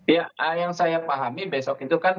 ya yang saya pahami besok itu kan